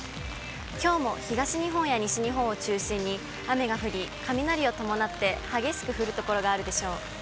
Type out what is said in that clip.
きょうも東日本や西日本を中心に、雨が降り、雷を伴って激しく降る所があるでしょう。